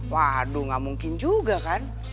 waduh gak mungkin juga kan